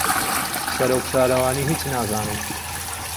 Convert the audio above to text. سەرۆک شارەوانی هیچ نازانێت.